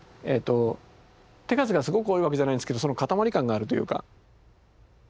手数がすごく多いわけじゃないですけどかたまり感があるというか。